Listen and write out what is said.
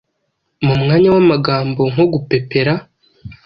mu mwanya w’amagambo nko gupepera,